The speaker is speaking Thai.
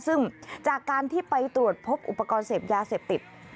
ซึ่งจากการที่ไปตรวจพบอุปกรณ์เสพยาเสพติด